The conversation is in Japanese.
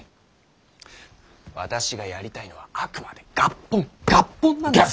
私がやりたいのはあくまで合本合本なんです。